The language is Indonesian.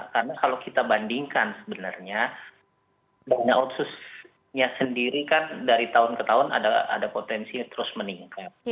karena kalau kita bandingkan sebenarnya dana otsus nya sendiri kan dari tahun ke tahun ada potensi terus meningkat